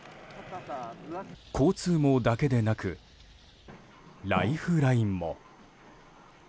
交通網だけでなくライフラインも。